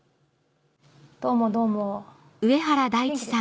どうもどうも。